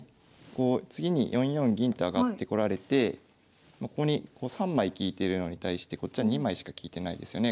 こう次に４四銀と上がってこられてここに３枚利いてるのに対してこっちは２枚しか利いてないですよね